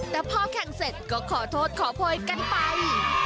แต่พอแข่งเสร็จก็ขอโทษขอโพยกันไป